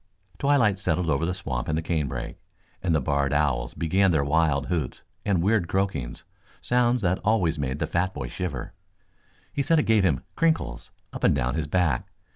Twilight settled over the swamp and the canebrake, and the barred owls began their wild hoots and weird croakings, sounds that always made the fat boy shiver. He said it gave him "crinkles" up and down his back.